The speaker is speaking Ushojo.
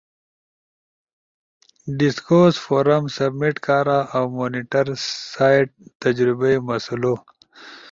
ڈیسکورس فورم سبمیٹ کارا اؤ مونیٹر سئیڈ تجربئی مسلو۔